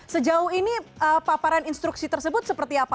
sejauh ini paparan instruksi tersebut seperti apa